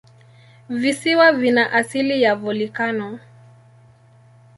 Visiwa vina asili ya volikano.